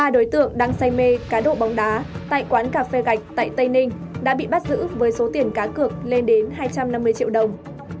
ba đối tượng đang say mê cá độ bóng đá tại quán cà phê gạch tại tây ninh đã bị bắt giữ với số tiền cá cược lên đến hai trăm năm mươi triệu đồng